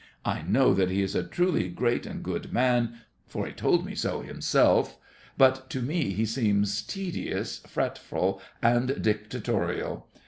I know that he is a truly great and good man, for he told me so himself, but to me he seems tedious, fretful, and dictatorial.